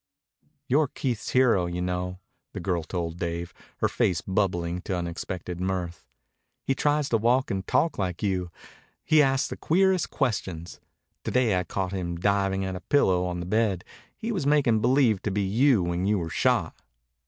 "You're Keith's hero, you know," the girl told Dave, her face bubbling to unexpected mirth. "He tries to walk and talk like you. He asks the queerest questions. To day I caught him diving at a pillow on the bed. He was making believe to be you when you were shot."